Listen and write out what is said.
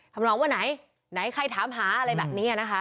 ทำนองว่าไหนไหนใครถามหาอะไรแบบนี้นะคะ